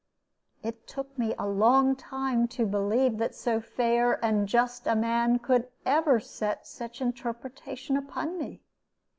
It took me a long time to believe that so fair and just a man ever could set such interpretation upon me.